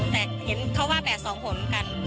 แต่เห็นเขาว่า๘๒ผลกัน